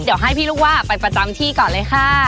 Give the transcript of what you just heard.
เดี๋ยวให้พี่ลูกว่าไปประจำที่ก่อนเลยค่ะ